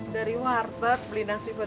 dari warthog beli nasi botbages